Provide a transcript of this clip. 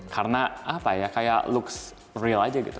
karena apa ya kayak looks real aja gitu